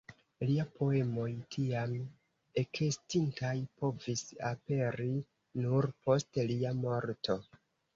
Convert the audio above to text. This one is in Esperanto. Lia poemoj tiam ekestintaj povis aperi nur post lia morto.